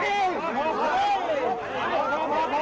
อืมร่องนี้